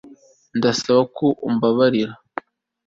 Ndasaba ko umbabarira